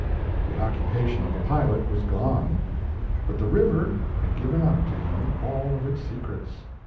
The occupation of the pilot was gone; but the river had given up to him all of its secrets.